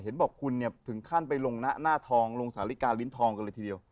บอกคุณเนี่ยถึงขั้นไปลงหน้าทองลงสาลิกาลิ้นทองกันเลยทีเดียว